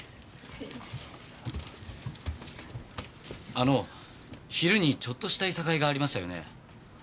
あの昼にちょっとした諍いがありましたよね？